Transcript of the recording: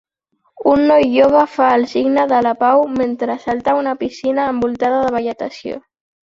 Un noi jove fa el signe de la pau mentre salta a una piscina envoltada de vegetació.